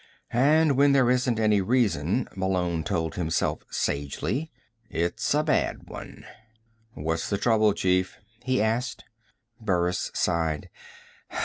And when there isn't any reason, Malone told himself sagely, it's a bad one. "What's the trouble, chief?" he asked. Burris sighed.